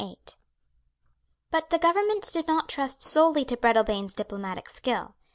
But the government did not trust solely to Breadalbane's diplomatic skill.